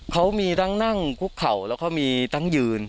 เขามีทั้งนั่งคุกเข่าแล้วก็มีทั้งยืน